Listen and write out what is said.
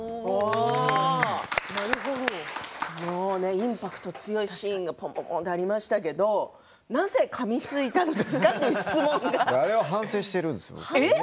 インパクト強いシーンがありましたけれどなぜ、かみついたんですか？というあれは反省しているんですよ。